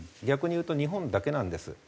逆にいうと日本だけなんです。